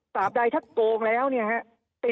สาปใดถ้าโกงแล้วเนี่ยครับ